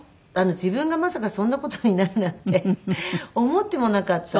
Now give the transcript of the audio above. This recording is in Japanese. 自分がまさかそんな事になるなんて思ってもなかった。